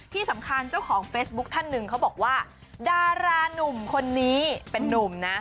ที่สำคัญเจ้าของเฟซบุ๊คท่านหนึ่งเขาบอกว่าดารานุ่มคนนี้เป็นนุ่มนะ